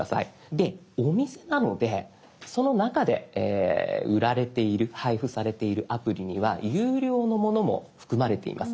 でお店なのでその中で売られている配布されているアプリには有料のものも含まれています。